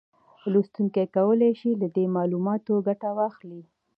لوستونکي کولای شي له دې معلوماتو ګټه واخلي